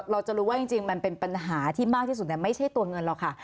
เราจะรู้ว่าจริงมันเป็นปัญหาที่มากที่สุดไม่ใช่ตัวเงินหรอกค่ะ